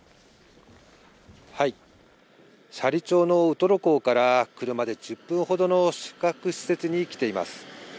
斜里町のウトロ港から車で１０分ほどの宿泊施設に来ています。